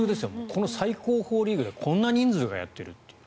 この最高峰リーグでこんな人数がやっているという。